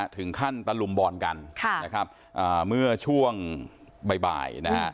ถึงขั้นตะลุมบอลกันเมื่อช่วงบ่าย